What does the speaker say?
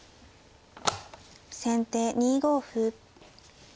先手２五歩。